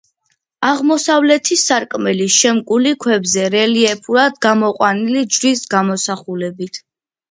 აღმოსავლეთი სარკმელი შემკული ქვებზე რელიეფურად გამოყვანილი ჯვრის გამოსახულებით.